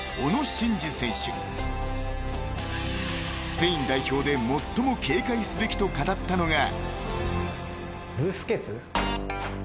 ［スペイン代表で最も警戒すべきと語ったのが］